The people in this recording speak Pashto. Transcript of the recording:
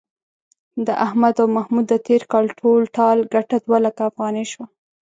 د احمد او محمود د تېر کال ټول ټال گټه دوه لکه افغانۍ شوه.